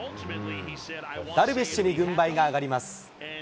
ダルビッシュに軍配が上がります。